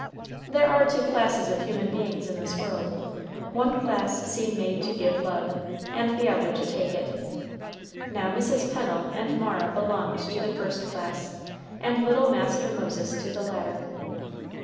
There are two classes of human beings in this world: one class seem made to give love, and the other to take it. Now Mrs. Pennel and Mara belonged to the first class, and little Master Moses to the latter.